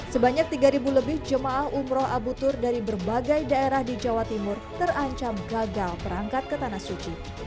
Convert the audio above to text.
sebanyak tiga lebih jemaah umroh abu tur dari berbagai daerah di jawa timur terancam gagal berangkat ke tanah suci